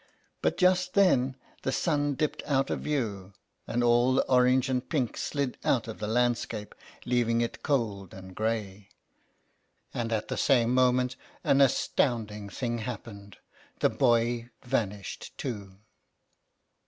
But just then the sun dipped out of view, and all the orange and pink slid out of the landscape, leaving it cold and grey. And at the same moment an astounding thing happened — the boy vanished too!"